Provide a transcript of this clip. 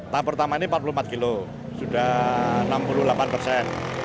tahap pertama ini empat puluh empat kilo sudah enam puluh delapan persen